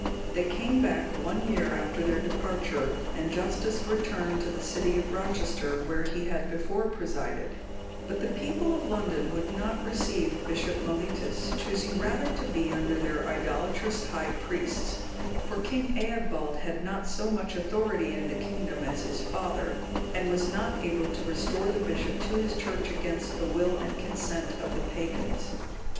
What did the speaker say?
They came back one year after their departure, and Justus returned to the city of Rochester, where he had before presided; but the people of London would not receive Bishop Mellitus, choosing rather to be under their idolatrous high priests; for King Eadbald had not so much authority in the kingdom as his father, and was not able to restore the bishop to his church against the will and consent of the pagans.